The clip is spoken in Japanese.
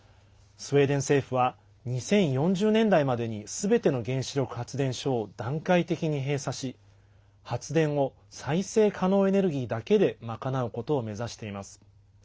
スウェーデン政府は２０４０年代までにすべての原子力発電所を段階的に閉鎖し発電を再生可能エネルギーだけで賄うことを目指しています。